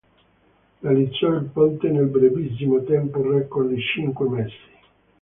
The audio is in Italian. Realizzò il ponte nel brevissimo tempo record di cinque mesi.